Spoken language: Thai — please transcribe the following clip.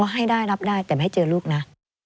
ให้ได้รับได้แต่ไม่เจอลูกนะ